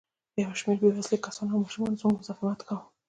یو شمېر بې وسلې کسانو او ماشومانو زموږ مزاحمت کاوه.